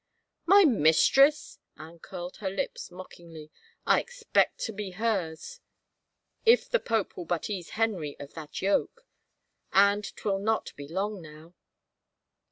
" My mistress !" Anne curled her lips mockingly. " I expect to be hers, if the pope will but ease Henry of that yoke. And 'twill not be long now."